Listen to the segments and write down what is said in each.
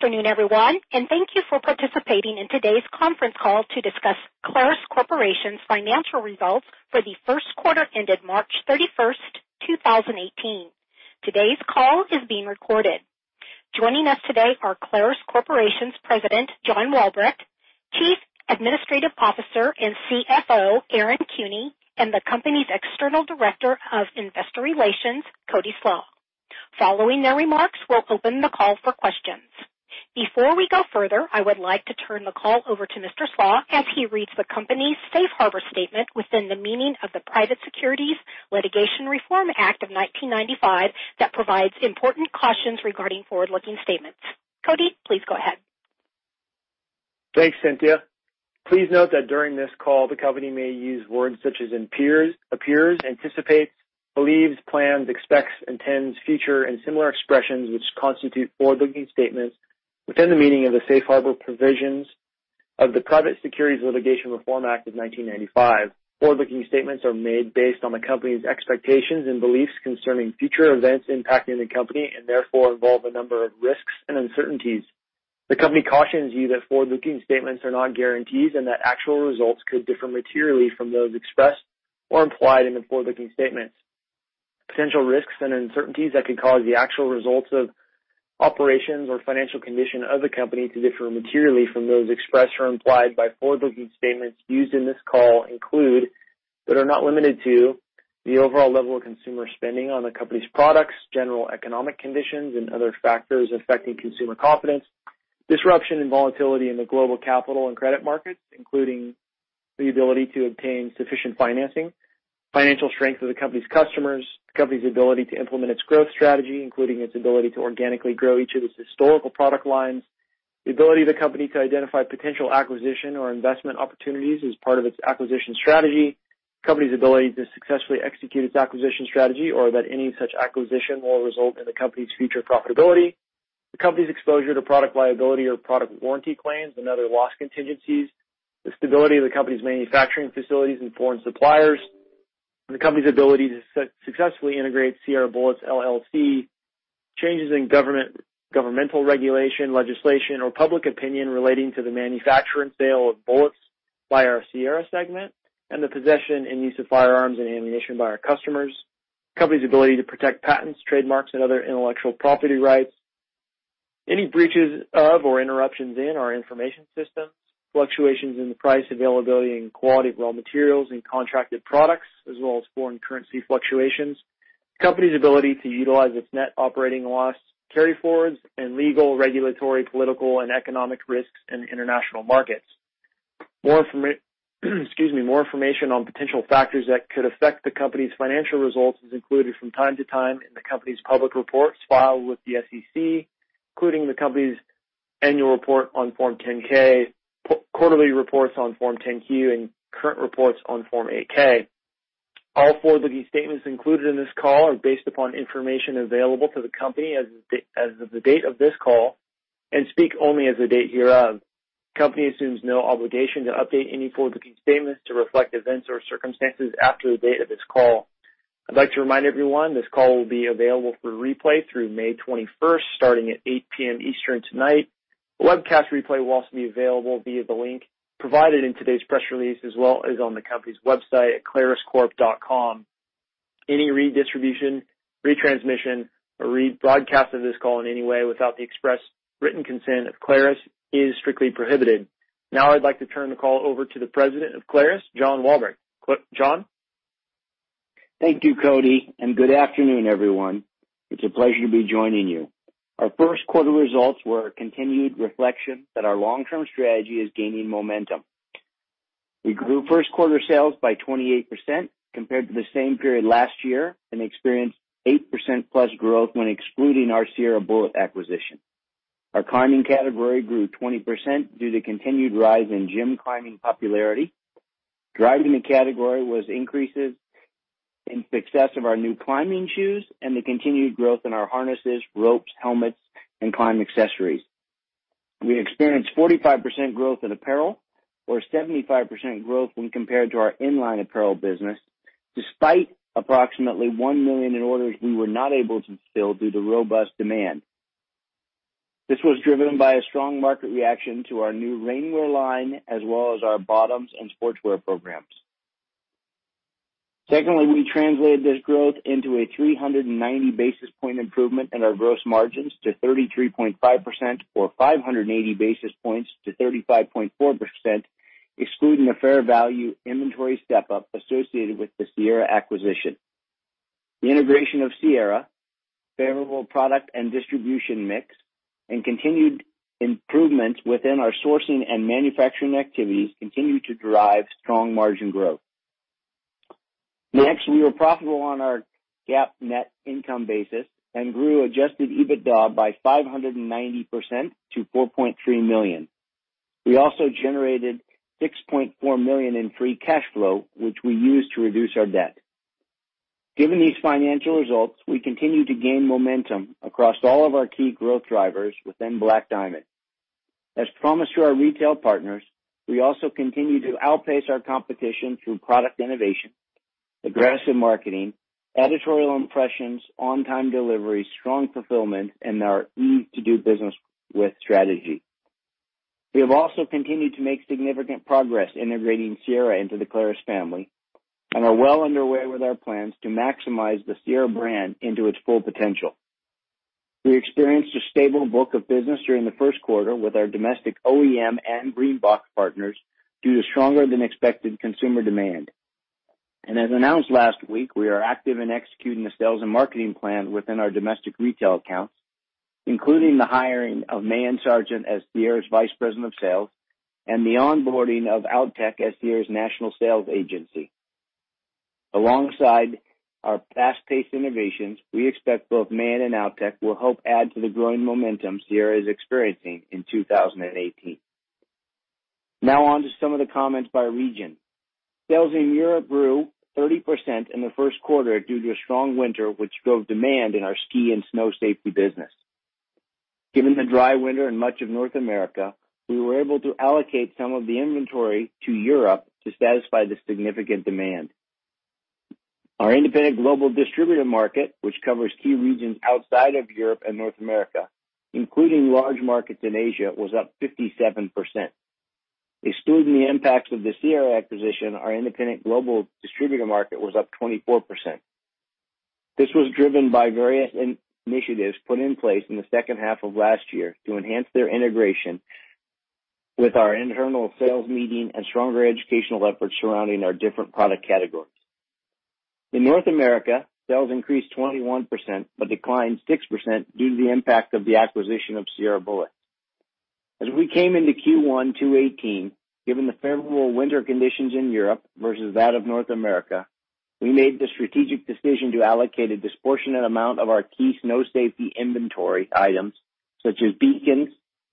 Good afternoon, everyone, and thank you for participating in today's conference call to discuss Clarus Corporation's financial results for the first quarter ended March 31st, 2018. Today's call is being recorded. Joining us today are Clarus Corporation's President, John Walbrecht, Chief Administrative Officer and CFO, Aaron Kuehne, and the company's External Director of Investor Relations, Cody Slach. Following their remarks, we'll open the call for questions. Before we go further, I would like to turn the call over to Mr. Slach as he reads the company's safe harbor statement within the meaning of the Private Securities Litigation Reform Act of 1995 that provides important cautions regarding forward-looking statements. Cody, please go ahead. Thanks, Cynthia. Please note that during this call, the company may use words such as appears, anticipates, believes, plans, expects, intends, future, and similar expressions which constitute forward-looking statements within the meaning of the safe harbor provisions of the Private Securities Litigation Reform Act of 1995. Forward-looking statements are made based on the company's expectations and beliefs concerning future events impacting the company, and therefore involve a number of risks and uncertainties. The company cautions you that forward-looking statements are not guarantees and that actual results could differ materially from those expressed or implied in the forward-looking statements. Potential risks and uncertainties that could cause the actual results of operations or financial condition of the company to differ materially from those expressed or implied by forward-looking statements used in this call include, but are not limited to, the overall level of consumer spending on the company's products, general economic conditions and other factors affecting consumer confidence, disruption and volatility in the global capital and credit markets, including the ability to obtain sufficient financing, financial strength of the company's customers, the company's ability to implement its growth strategy, including its ability to organically grow each of its historical product lines, the ability of the company to identify potential acquisition or investment opportunities as part of its acquisition strategy, the company's ability to successfully execute its acquisition strategy, or that any such acquisition will result in the company's future profitability. The company's exposure to product liability or product warranty claims and other loss contingencies, the stability of the company's manufacturing facilities and foreign suppliers, the company's ability to successfully integrate Sierra Bullets, L.L.C., changes in governmental regulation, legislation or public opinion relating to the manufacture and sale of bullets by our Sierra segment, and the possession and use of firearms and ammunition by our customers, the company's ability to protect patents, trademarks, and other intellectual property rights, any breaches of or interruptions in our information systems, fluctuations in the price, availability, and quality of raw materials and contracted products, as well as foreign currency fluctuations, the company's ability to utilize its net operating loss carryforwards, and legal, regulatory, political, and economic risks in international markets. More information on potential factors that could affect the company's financial results is included from time to time in the company's public reports filed with the SEC, including the company's annual report on Form 10-K, quarterly reports on Form 10-Q, and current reports on Form 8-K. All forward-looking statements included in this call are based upon information available to the company as of the date of this call and speak only as of the date hereof. The company assumes no obligation to update any forward-looking statements to reflect events or circumstances after the date of this call. I'd like to remind everyone this call will be available for replay through May 21st, starting at 8:00 P.M. Eastern tonight. The webcast replay will also be available via the link provided in today's press release, as well as on the company's website at claruscorp.com. Any redistribution, retransmission, or rebroadcast of this call in any way without the express written consent of Clarus is strictly prohibited. Now I'd like to turn the call over to the President of Clarus, John Walbrecht. John? Thank you, Cody, and good afternoon, everyone. It's a pleasure to be joining you. Our first quarter results were a continued reflection that our long-term strategy is gaining momentum. We grew first quarter sales by 28% compared to the same period last year and experienced 8%+ growth when excluding our Sierra Bullets acquisition. Our climbing category grew 20% due to continued rise in gym climbing popularity. Driving the category was increases in success of our new climbing shoes and the continued growth in our harnesses, ropes, helmets, and climb accessories. We experienced 45% growth in apparel or 75% growth when compared to our in-line apparel business, despite approximately $1 million in orders we were not able to fill due to robust demand. This was driven by a strong market reaction to our new rainwear line as well as our bottoms and sportswear programs. Secondly, we translated this growth into a 390 basis point improvement in our gross margins to 33.5%, or 580 basis points to 35.4%, excluding the fair value inventory step-up associated with the Sierra acquisition. The integration of Sierra, favorable product and distribution mix, and continued improvements within our sourcing and manufacturing activities continued to drive strong margin growth. Next, we were profitable on our GAAP net income basis and grew adjusted EBITDA by 590% to $4.3 million. We also generated $6.4 million in free cash flow, which we used to reduce our debt. Given these financial results, we continue to gain momentum across all of our key growth drivers within Black Diamond. As promised to our retail partners, we also continue to outpace our competition through product innovation, aggressive marketing, editorial impressions, on-time delivery, strong fulfillment, and our ease to do business with strategy. We have also continued to make significant progress integrating Sierra into the Clarus family and are well underway with our plans to maximize the Sierra brand into its full potential. We experienced a stable book of business during the first quarter with our domestic OEM and green box partners due to stronger than expected consumer demand. As announced last week, we are active in executing the sales and marketing plan within our domestic retail accounts, including the hiring of Matt Sargent as Sierra's Vice President of Sales and the onboarding of Outtech as Sierra's national sales agency. Alongside our fast-paced innovations, we expect both Matt and Outtech will help add to the growing momentum Sierra is experiencing in 2018. On to some of the comments by region. Sales in Europe grew 30% in the first quarter due to a strong winter, which drove demand in our ski and snow safety business. Given the dry winter in much of North America, we were able to allocate some of the inventory to Europe to satisfy the significant demand. Our independent global distributor market, which covers key regions outside of Europe and North America, including large markets in Asia, was up 57%. Excluding the impacts of the Sierra acquisition, our independent global distributor market was up 24%. This was driven by various initiatives put in place in the second half of last year to enhance their integration with our internal sales meeting and stronger educational efforts surrounding our different product categories. In North America, sales increased 21% but declined 6% due to the impact of the acquisition of Sierra Bullets. As we came into Q1 2018, given the favorable winter conditions in Europe versus that of North America, we made the strategic decision to allocate a disproportionate amount of our key snow safety inventory items, such as beacons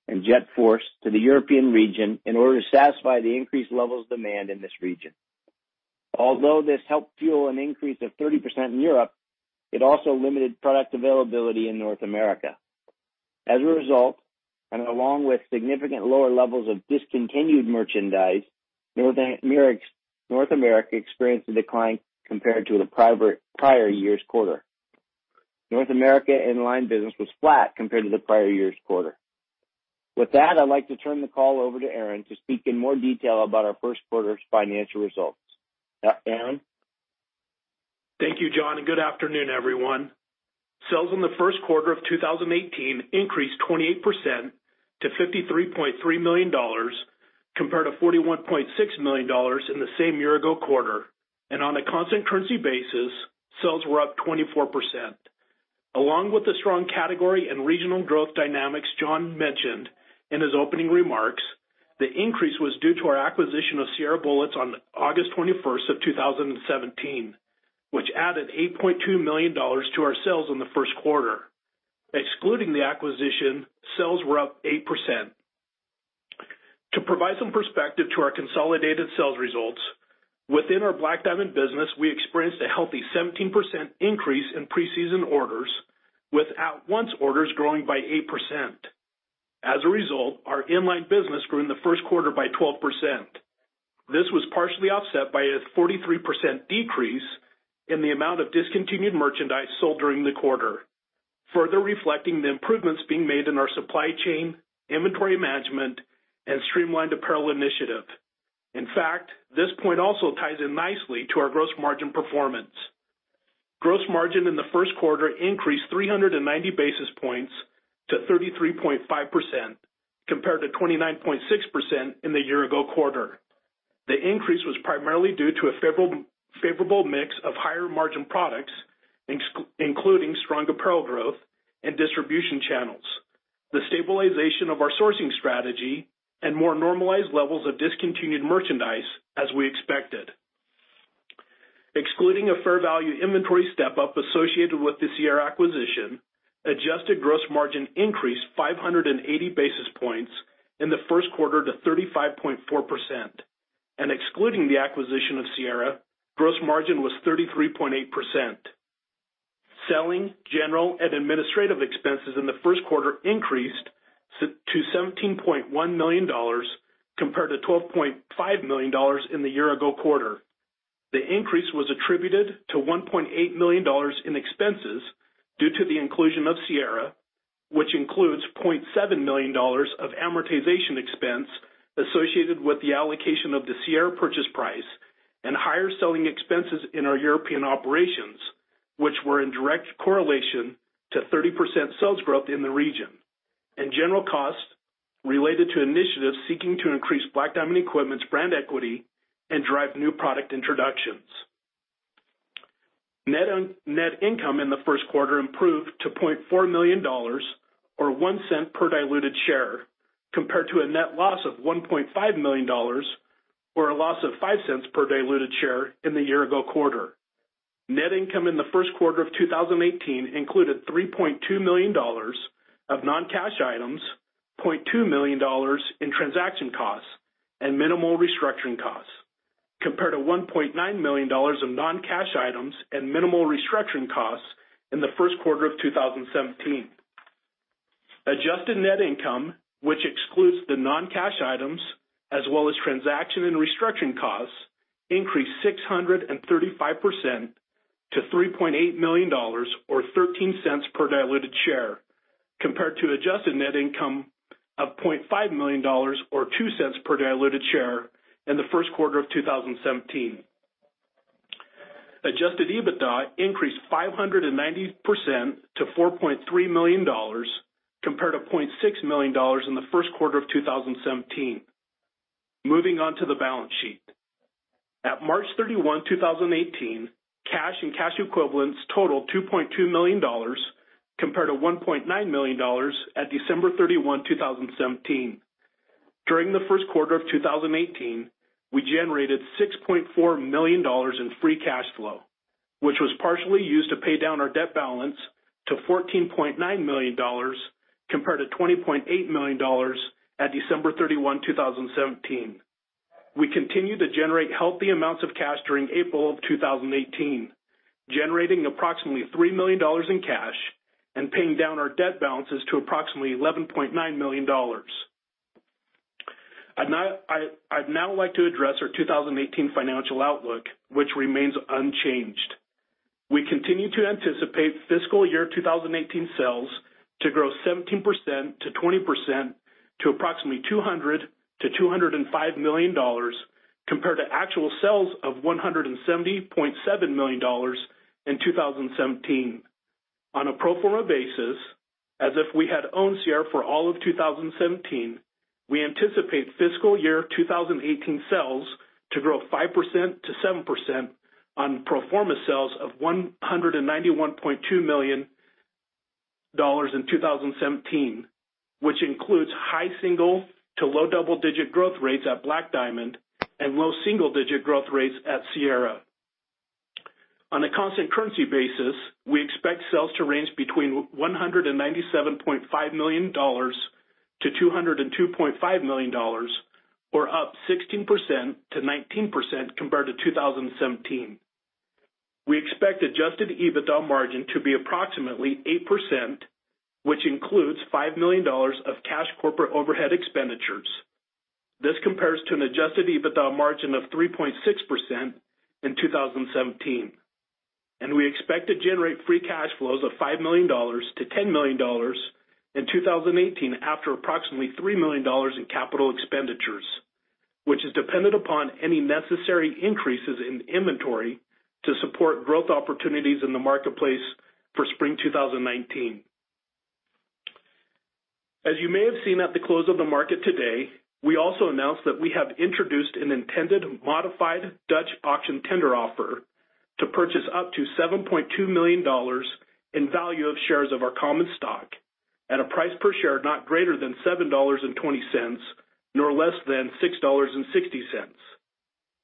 and JetForce, to the European region in order to satisfy the increased levels of demand in this region. Although this helped fuel an increase of 30% in Europe, it also limited product availability in North America. As a result, and along with significant lower levels of discontinued merchandise, North America experienced a decline compared to the prior year's quarter. North America inline business was flat compared to the prior year's quarter. With that, I'd like to turn the call over to Aaron to speak in more detail about our first quarter's financial results. Aaron? Thank you, John, and good afternoon, everyone. Sales in the first quarter of 2018 increased 28% to $53.3 million, compared to $41.6 million in the same year-ago quarter, and on a constant currency basis, sales were up 24%. Along with the strong category and regional growth dynamics John mentioned in his opening remarks, the increase was due to our acquisition of Sierra Bullets on August 21st of 2017, which added $8.2 million to our sales in the first quarter. Excluding the acquisition, sales were up 8%. To provide some perspective to our consolidated sales results, within our Black Diamond business, we experienced a healthy 17% increase in pre-season orders, with at-once orders growing by 8%. As a result, our inline business grew in the first quarter by 12%. This was partially offset by a 43% decrease in the amount of discontinued merchandise sold during the quarter, further reflecting the improvements being made in our supply chain, inventory management, and streamlined apparel initiative. In fact, this point also ties in nicely to our gross margin performance. Gross margin in the first quarter increased 390 basis points to 33.5%, compared to 29.6% in the year-ago quarter. The increase was primarily due to a favorable mix of higher margin products, including strong apparel growth and distribution channels, the stabilization of our sourcing strategy, and more normalized levels of discontinued merchandise as we expected. Excluding a fair value inventory step-up associated with the Sierra acquisition, adjusted gross margin increased 580 basis points in the first quarter to 35.4%, and excluding the acquisition of Sierra, gross margin was 33.8%. Selling, general, and administrative expenses in the first quarter increased to $17.1 million, compared to $12.5 million in the year-ago quarter. The increase was attributed to $1.8 million in expenses due to the inclusion of Sierra, which includes $0.7 million of amortization expense associated with the allocation of the Sierra purchase price and higher selling expenses in our European operations, which were in direct correlation to 30% sales growth in the region, and general costs related to initiatives seeking to increase Black Diamond Equipment's brand equity and drive new product introductions. Net income in the first quarter improved to $0.4 million, or $0.01 per diluted share, compared to a net loss of $1.5 million, or a loss of $0.05 per diluted share in the year-ago quarter. Net income in the first quarter of 2018 included $3.2 million of non-cash items, $0.2 million in transaction costs, and minimal restructuring costs. Compared to $1.9 million of non-cash items and minimal restructuring costs in the first quarter of 2017. Adjusted net income, which excludes the non-cash items as well as transaction and restructuring costs, increased 635% to $3.8 million, or $0.13 per diluted share, compared to adjusted net income of $0.5 million or $0.02 per diluted share in the first quarter of 2017. Adjusted EBITDA increased 590% to $4.3 million, compared to $0.6 million in the first quarter of 2017. Moving on to the balance sheet. At March 31, 2018, cash and cash equivalents totaled $2.2 million, compared to $1.9 million at December 31, 2017. During the first quarter of 2018, we generated $6.4 million in free cash flow, which was partially used to pay down our debt balance to $14.9 million, compared to $20.8 million at December 31, 2017. We continue to generate healthy amounts of cash during April of 2018, generating approximately $3 million in cash and paying down our debt balances to approximately $11.9 million. I'd now like to address our 2018 financial outlook, which remains unchanged. We continue to anticipate fiscal year 2018 sales to grow 17%-20% to approximately $200 million-$205 million, compared to actual sales of $170.7 million in 2017. On a pro forma basis, as if we had owned Sierra for all of 2017, we anticipate fiscal year 2018 sales to grow 5%-7% on pro forma sales of $191.2 million in 2017, which includes high single to low double-digit growth rates at Black Diamond and low double-digit growth rates at Sierra. On a constant currency basis, we expect sales to range between $197.5 million-$202.5 million, or up 16%-19% compared to 2017. We expect adjusted EBITDA margin to be approximately 8%, which includes $5 million of cash corporate overhead expenditures. This compares to an adjusted EBITDA margin of 3.6% in 2017. We expect to generate free cash flows of $5 million-$10 million in 2018 after approximately $3 million in capital expenditures, which is dependent upon any necessary increases in inventory to support growth opportunities in the marketplace for spring 2019. As you may have seen at the close of the market today, we also announced that we have introduced an intended modified Dutch auction tender offer to purchase up to $7.2 million in value of shares of our common stock at a price per share not greater than $7.20, nor less than $6.60.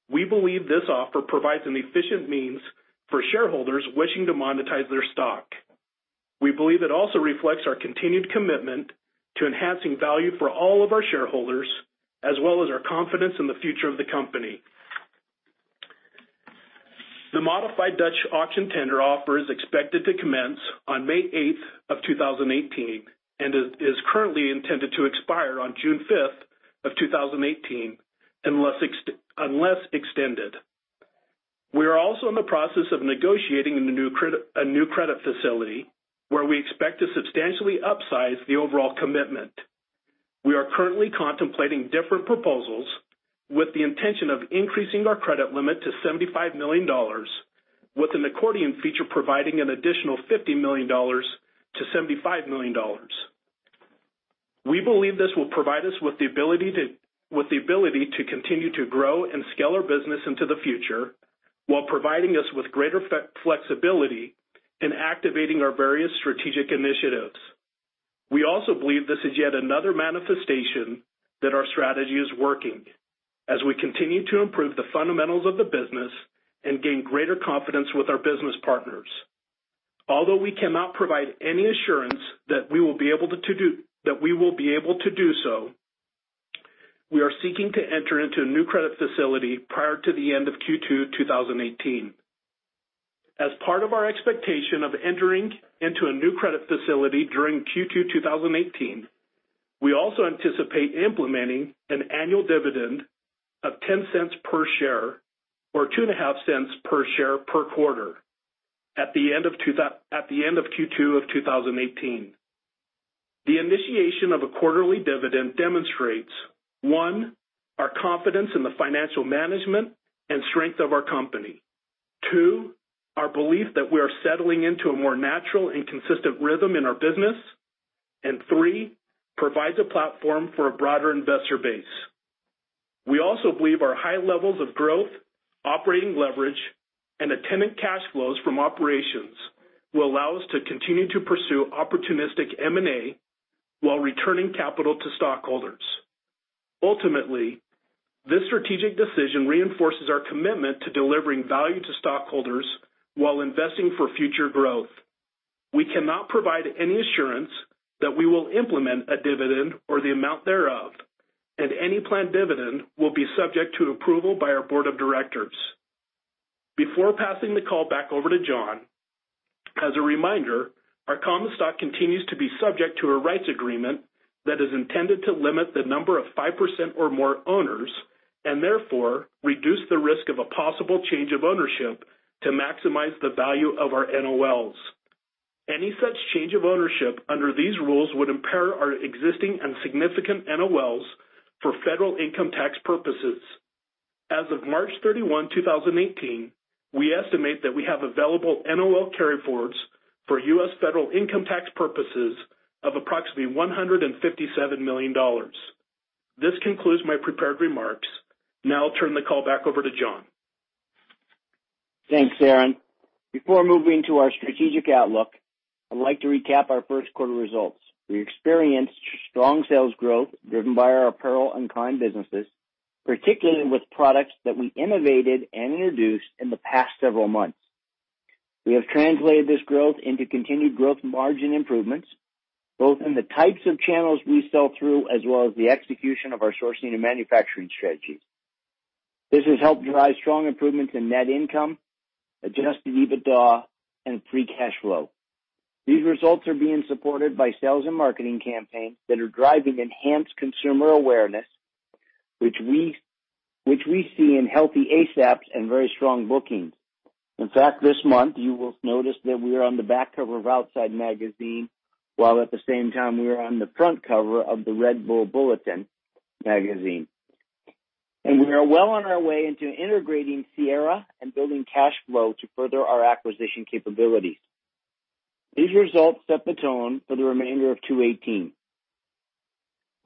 We believe this offer provides an efficient means for shareholders wishing to monetize their stock. We believe it also reflects our continued commitment to enhancing value for all of our shareholders, as well as our confidence in the future of the company. The modified Dutch auction tender offer is expected to commence on May 8th of 2018, and is currently intended to expire on June 5th of 2018, unless extended. We are also in the process of negotiating a new credit facility where we expect to substantially upsize the overall commitment. We are currently contemplating different proposals with the intention of increasing our credit limit to $75 million, with an accordion feature providing an additional $50 million-$75 million. We believe this will provide us with the ability to continue to grow and scale our business into the future while providing us with greater flexibility in activating our various strategic initiatives. We also believe this is yet another manifestation that our strategy is working as we continue to improve the fundamentals of the business and gain greater confidence with our business partners. Although we cannot provide any assurance that we will be able to do so, we are seeking to enter into a new credit facility prior to the end of Q2 2018. As part of our expectation of entering into a new credit facility during Q2 2018, we also anticipate implementing an annual dividend of $0.10 per share or $0.025 per share per quarter at the end of Q2 of 2018. The initiation of a quarterly dividend demonstrates, one, our confidence in the financial management and strength of our company, two, our belief that we are settling into a more natural and consistent rhythm in our business, and three, provides a platform for a broader investor base. We also believe our high levels of growth, operating leverage, and attendant cash flows from operations will allow us to continue to pursue opportunistic M&A while returning capital to stockholders. Ultimately, this strategic decision reinforces our commitment to delivering value to stockholders while investing for future growth. We cannot provide any assurance that we will implement a dividend or the amount thereof, and any planned dividend will be subject to approval by our board of directors. Before passing the call back over to John, as a reminder, our common stock continues to be subject to a rights agreement that is intended to limit the number of 5% or more owners, and therefore reduce the risk of a possible change of ownership to maximize the value of our NOLs. Any such change of ownership under these rules would impair our existing and significant NOLs for federal income tax purposes. As of March 31, 2018, we estimate that we have available NOL carryforwards for U.S. federal income tax purposes of approximately $157 million. This concludes my prepared remarks. Now I'll turn the call back over to John. Thanks, Aaron. Before moving to our strategic outlook, I'd like to recap our first quarter results. We experienced strong sales growth driven by our apparel and climb businesses, particularly with products that we innovated and introduced in the past several months. We have translated this growth into continued growth margin improvements, both in the types of channels we sell through, as well as the execution of our sourcing and manufacturing strategies. This has helped drive strong improvements in net income, adjusted EBITDA, and free cash flow. These results are being supported by sales and marketing campaigns that are driving enhanced consumer awareness, which we see in healthy ASAPs and very strong bookings. In fact, this month you will notice that we are on the back cover of Outside Magazine, while at the same time, we are on the front cover of The Red Bulletin magazine. We are well on our way into integrating Sierra and building cash flow to further our acquisition capabilities. These results set the tone for the remainder of 2018.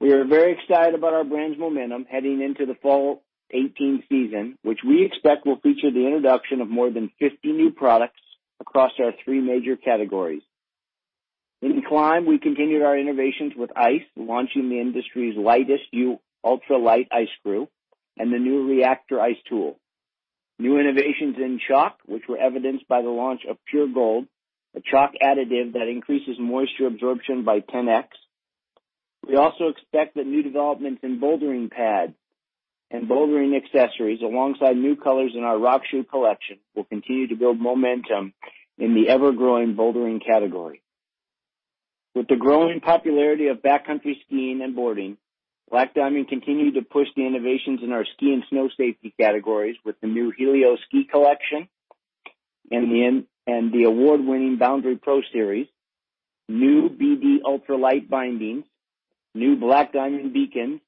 We are very excited about our brand's momentum heading into the fall 2018 season, which we expect will feature the introduction of more than 50 new products across our three major categories. In Climb, we continued our innovations with Ice, launching the industry's lightest ultra-light ice screw and the new Reactor Ice Tool. New innovations in chalk, which were evidenced by the launch of Pure Gold, a chalk additive that increases moisture absorption by 10X. We also expect that new developments in bouldering pads and bouldering accessories, alongside new colors in our rock shoe collection, will continue to build momentum in the ever-growing bouldering category. With the growing popularity of backcountry skiing and boarding, Black Diamond continued to push the innovations in our ski and snow safety categories with the new Helio ski collection and the award-winning Boundary Pro Series, new BD ultralight bindings, new Black Diamond beacon,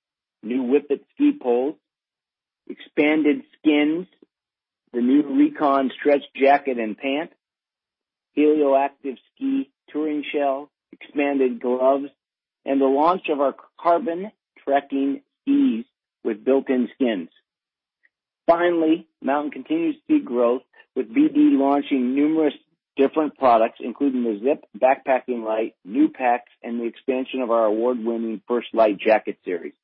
new Whippet ski poles, expanded skins, the new Recon stretch jacket and pant, Helio Active ski touring shell, expanded gloves, and the launch of our carbon trekking skis with built-in skins. Mountain continues to see growth, with BD launching numerous different products, including the Zip backpacking light, new packs, and the expansion of our award-winning First Light jacket series.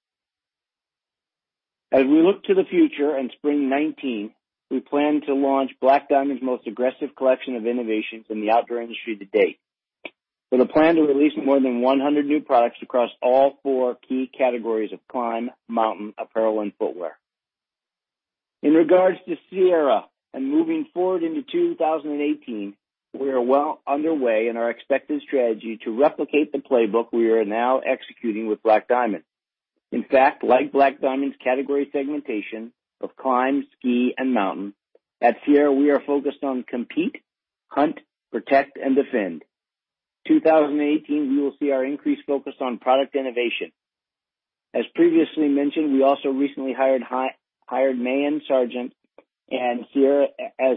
As we look to the future in spring 2019, we plan to launch Black Diamond's most aggressive collection of innovations in the outdoor industry to date, with a plan to release more than 100 new products across all four key categories of climb, mountain, apparel, and footwear. In regards to Sierra and moving forward into 2018, we are well underway in our expected strategy to replicate the playbook we are now executing with Black Diamond. In fact, like Black Diamond's category segmentation of climb, ski, and mountain, at Sierra, we are focused on compete, hunt, protect, and defend. 2018, we will see our increased focus on product innovation. As previously mentioned, we also recently hired Matt Sargeant as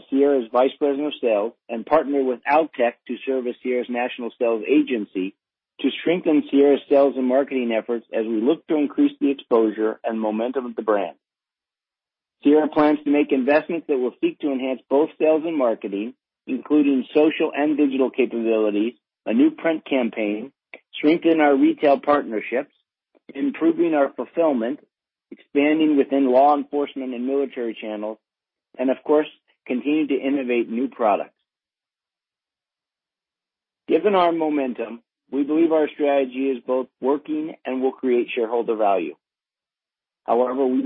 Sierra's Vice President of Sales and partnered with Outtech to serve as Sierra's national sales agency to strengthen Sierra's sales and marketing efforts as we look to increase the exposure and momentum of the brand. Sierra plans to make investments that will seek to enhance both sales and marketing, including social and digital capabilities, a new print campaign, strengthen our retail partnerships, improving our fulfillment, expanding within law enforcement and military channels, and of course, continuing to innovate new products. Given our momentum, we believe our strategy is both working and will create shareholder value. We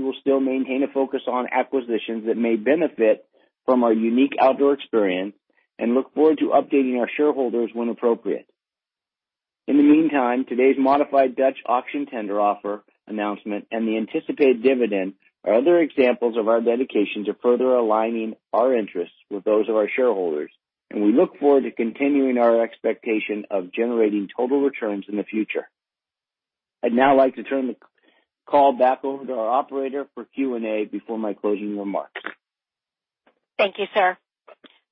will still maintain a focus on acquisitions that may benefit from our unique outdoor experience and look forward to updating our shareholders when appropriate. In the meantime, today's modified Dutch auction tender offer announcement and the anticipated dividend are other examples of our dedication to further aligning our interests with those of our shareholders, and we look forward to continuing our expectation of generating total returns in the future. I'd now like to turn the call back over to our Operator for Q&A before my closing remarks. Thank you, sir.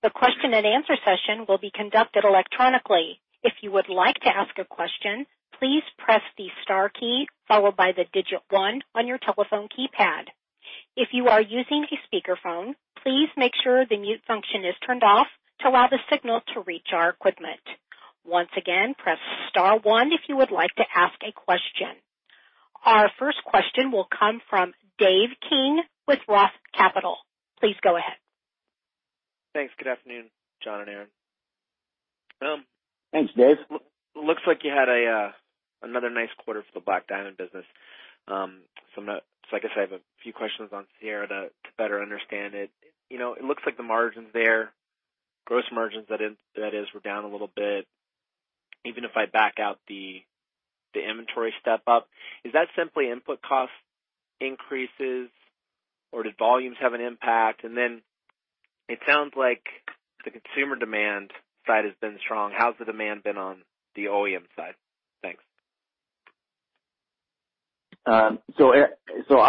The question-and-answer session will be conducted electronically. If you would like to ask a question, please press the star key followed by the digit one on your telephone keypad. If you are using a speakerphone, please make sure the mute function is turned off to allow the signal to reach our equipment. Once again, press star one if you would like to ask a question. Our first question will come from Dave King with Roth Capital. Please go ahead. Thanks. Good afternoon, John and Aaron. Thanks, Dave. Looks like you had another nice quarter for the Black Diamond business. I guess I have a few questions on Sierra to better understand it. It looks like the margins there, gross margins that is, were down a little bit, even if I back out the inventory step-up. Is that simply input cost increases or did volumes have an impact? It sounds like the consumer demand side has been strong. How's the demand been on the OEM side? Thanks. I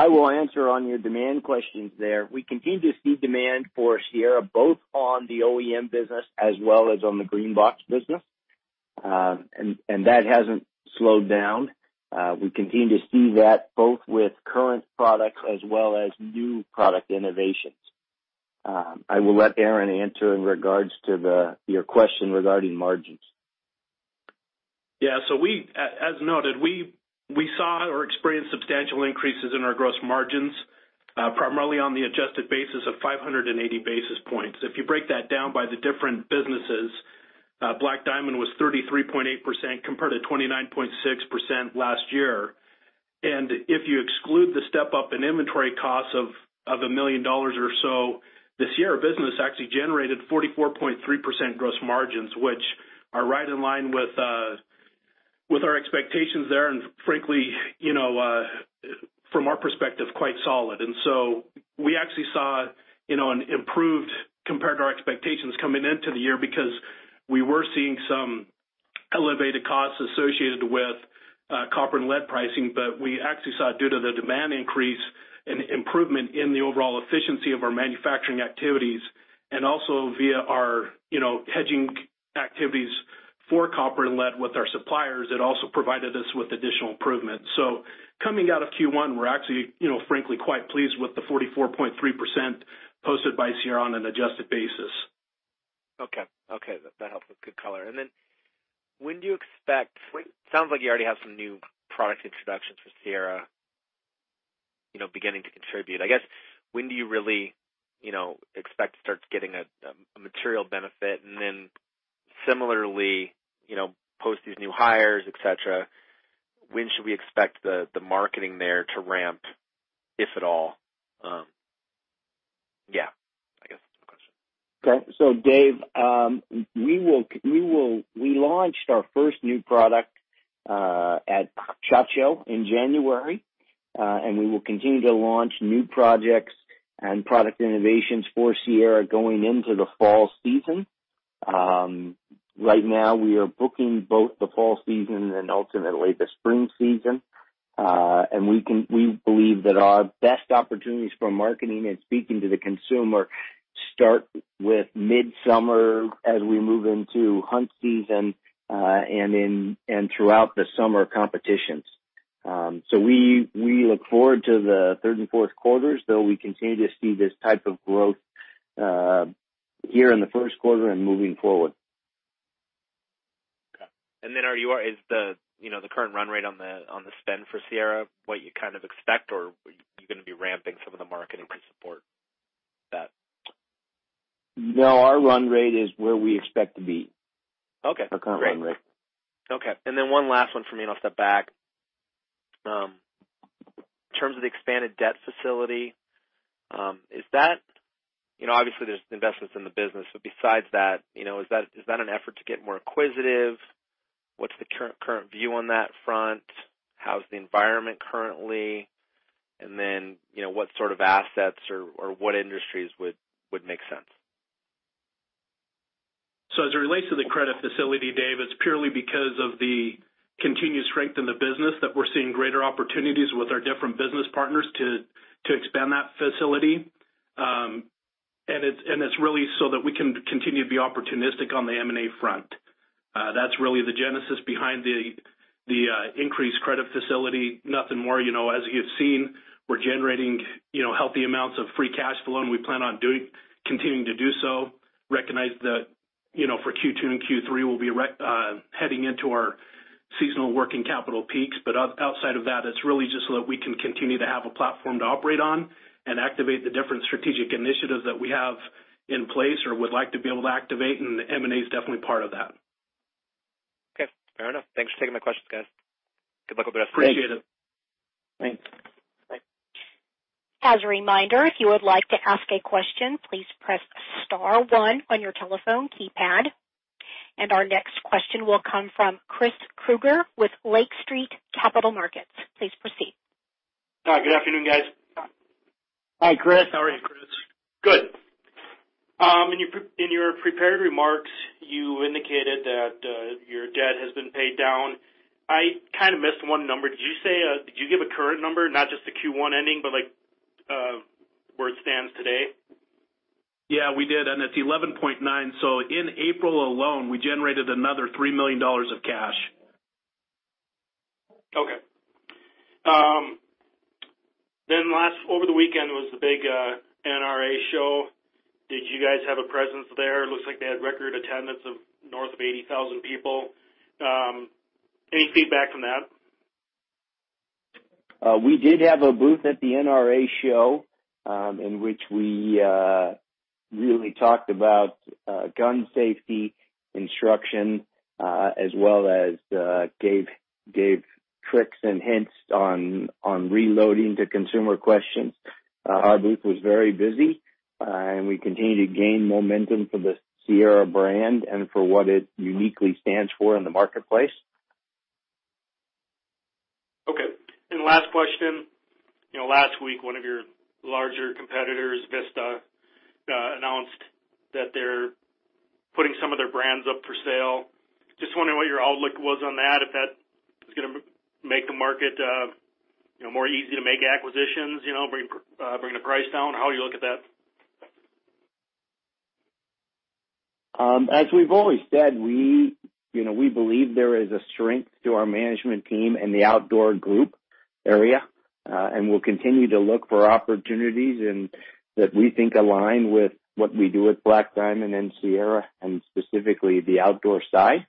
will answer on your demand questions there. We continue to see demand for Sierra, both on the OEM business as well as on the green box business. That hasn't slowed down. We continue to see that both with current products as well as new product innovations. I will let Aaron answer in regards to your question regarding margins. Yeah. As noted, we saw or experienced substantial increases in our gross margins, primarily on the adjusted basis of 580 basis points. If you break that down by the different businesses, Black Diamond was 33.8% compared to 29.6% last year. If you exclude the step-up in inventory costs of $1 million or so, the Sierra business actually generated 44.3% gross margins, which are right in line with our expectations there, and frankly, from our perspective, quite solid. We actually saw an improved compared to our expectations coming into the year because we were seeing some elevated costs associated with copper and lead pricing, but we actually saw, due to the demand increase, an improvement in the overall efficiency of our manufacturing activities and also via our hedging activities for copper and lead with our suppliers, it also provided us with additional improvements. Coming out of Q1, we're actually frankly quite pleased with the 44.3% posted by Sierra on an adjusted basis. Okay. That helps with good color. When do you expect It sounds like you already have some new product introductions for Sierra beginning to contribute? I guess, when do you really expect to start getting a material benefit? Similarly, post these new hires, et cetera, when should we expect the marketing there to ramp, if at all? Yeah, I guess that's my question. Okay. Dave, we launched our first new product at SHOT Show in January, and we will continue to launch new projects and product innovations for Sierra going into the fall season. Right now, we are booking both the fall season and ultimately the spring season. We believe that our best opportunities for marketing and speaking to the consumer start with midsummer as we move into hunt season, and throughout the summer competitions. We look forward to the third and fourth quarters, though we continue to see this type of growth here in the first quarter and moving forward. Okay. Is the current run rate on the spend for Sierra what you kind of expect, or are you going to be ramping some of the marketing to support that? No, our run rate is where we expect to be. Okay, great. Our current run rate. Okay. One last one from me, and I'll step back. In terms of the expanded debt facility, obviously there's investments in the business, but besides that, is that an effort to get more acquisitive? What's the current view on that front? How's the environment currently? What sort of assets or what industries would make sense? As it relates to the credit facility, Dave, it's purely because of the continued strength in the business that we're seeing greater opportunities with our different business partners to expand that facility. It's really so that we can continue to be opportunistic on the M&A front. That's really the genesis behind the increased credit facility. Nothing more. As you've seen, we're generating healthy amounts of free cash flow, and we plan on continuing to do so. Recognize that for Q2 and Q3, we'll be heading into our seasonal working capital peaks. Outside of that, it's really just so that we can continue to have a platform to operate on and activate the different strategic initiatives that we have in place or would like to be able to activate, and M&A is definitely part of that. Okay. Fair enough. Thanks for taking my questions, guys. Good luck with the rest of the day. Appreciate it. Thanks. Bye. As a reminder, if you would like to ask a question, please press star one on your telephone keypad. Our next question will come from Chris Krueger with Lake Street Capital Markets. Please proceed. Good afternoon, guys. Hi, Chris. How are you, Chris? Good. In your prepared remarks, you indicated that your debt has been paid down. I kind of missed one number. Did you give a current number, not just the Q1 ending, but where it stands today? Yeah, we did, and it's 11.9. In April alone, we generated another $3 million of cash. Okay. Over the weekend was the big of a presence there. It looks like they had record attendance of north of 80,000 people. Any feedback from that? We did have a booth at the NRA show, in which we really talked about gun safety instruction, as well as gave tricks and hints on reloading to consumer questions. Our booth was very busy, and we continue to gain momentum for the Sierra brand and for what it uniquely stands for in the marketplace. Okay. Last question. Last week, one of your larger competitors, Vista, announced that they're putting some of their brands up for sale. Just wondering what your outlook was on that, if that is going to make the market more easy to make acquisitions, bring the price down. How do you look at that? As we've always said, we believe there is a strength to our management team and the outdoor group area, and we'll continue to look for opportunities that we think align with what we do at Black Diamond and Sierra, and specifically the outdoor side.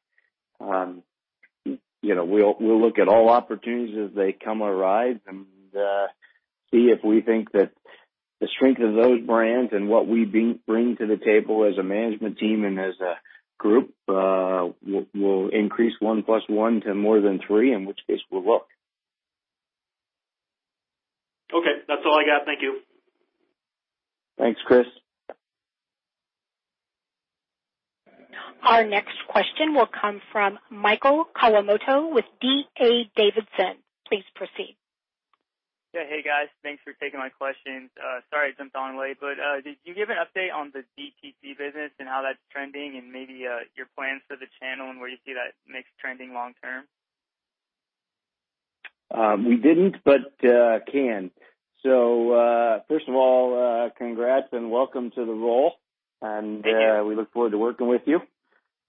We'll look at all opportunities as they come arise and see if we think that the strength of those brands and what we bring to the table as a management team and as a group will increase one plus one to more than three, in which case we'll look. Okay. That's all I got. Thank you. Thanks, Chris. Our next question will come from Michael Kawamoto with D.A. Davidson. Please proceed. Yeah. Hey, guys. Thanks for taking my questions. Sorry I jumped on late, did you give an update on the DTC business and how that's trending and maybe your plans for the channel and where you see that mix trending long term? We didn't, but can. First of all, congrats and welcome to the role. Thank you. We look forward to working with you.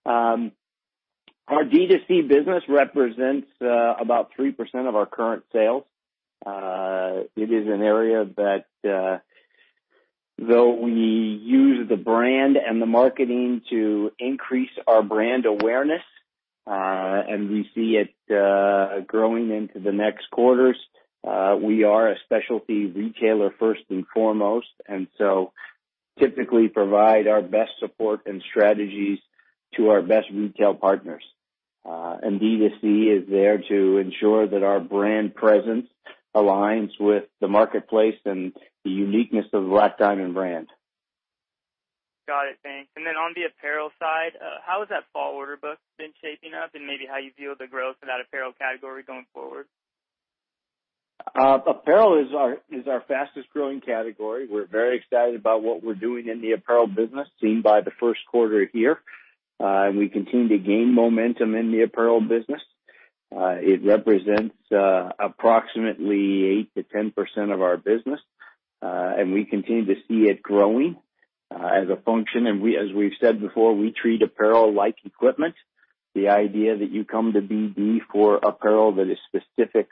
Our DTC business represents about 3% of our current sales. It is an area that, though we use the brand and the marketing to increase our brand awareness, and we see it growing into the next quarters, we are a specialty retailer first and foremost, and so typically provide our best support and strategies to our best retail partners. DTC is there to ensure that our brand presence aligns with the marketplace and the uniqueness of the Black Diamond brand. Got it. Thanks. On the apparel side, how has that fall order book been shaping up, and maybe how you view the growth in that apparel category going forward? Apparel is our fastest growing category. We're very excited about what we're doing in the apparel business, seen by the first quarter here. We continue to gain momentum in the apparel business. It represents approximately 8%-10% of our business, and we continue to see it growing as a function. As we've said before, we treat apparel like equipment. The idea that you come to BD for apparel that is specific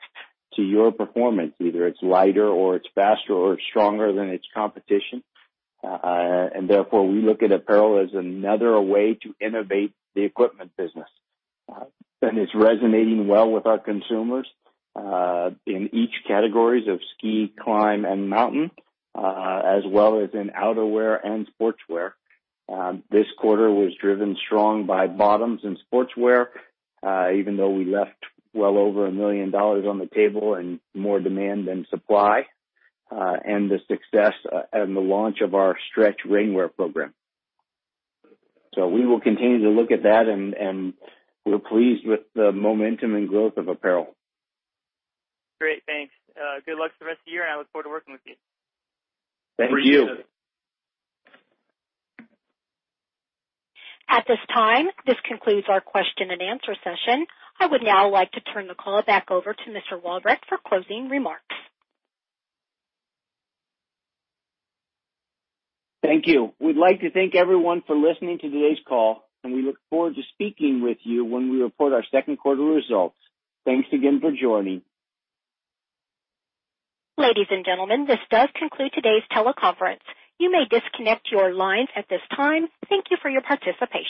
to your performance, either it's lighter or it's faster or stronger than its competition. Therefore, we look at apparel as another way to innovate the equipment business. It's resonating well with our consumers, in each categories of ski, climb, and mountain, as well as in outerwear and sportswear. This quarter was driven strong by bottoms and sportswear, even though we left well over $1 million on the table in more demand than supply, and the success and the launch of our stretch rainwear program. We will continue to look at that, and we're pleased with the momentum and growth of apparel. Great. Thanks. Good luck the rest of the year, and I look forward to working with you. Thank you. Thank you. At this time, this concludes our question-and-answer session. I would now like to turn the call back over to Mr. Walbrecht for closing remarks. Thank you. We'd like to thank everyone for listening to today's call, and we look forward to speaking with you when we report our second quarter results. Thanks again for joining. Ladies and gentlemen, this does conclude today's teleconference. You may disconnect your lines at this time. Thank you for your participation.